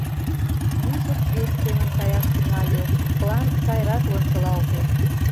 Музык вес семын каяш тӱҥале: план сайрак лончылалте.